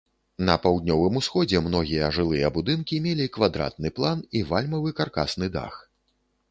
На паўднёвым усходзе многія жылыя будынкі мелі квадратны план і вальмавы каркасны дах.